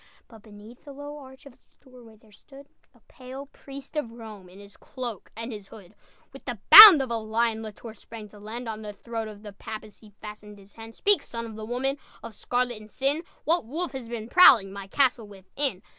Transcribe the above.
But beneath the low arch Of its doorway there stood A pale priest of Rome, In his cloak and his hood. With the bound of a lion, La Tour sprang to land, On the throat of the Papist He fastened his hand. "Speak, son of the Woman Of scarlet and sin! What wolf has been prowling My castle within?"